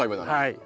はい。